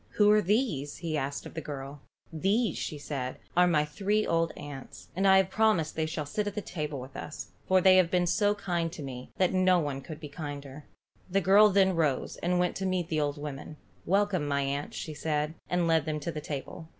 "Who are these?" he asked of the girl. "These," said she, "are my three old aunts, and I have promised they shall sit at the table with us, for they have been so kind to me that no one could be kinder." The girl then rose, and went to meet the old women. "Welcome, my aunts," she said, and led them to the table.